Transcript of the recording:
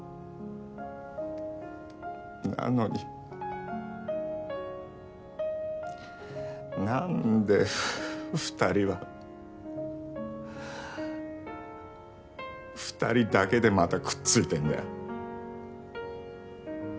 なのになんで２人は２人だけでまたくっついてるんだよ。